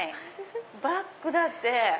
「バック」だって！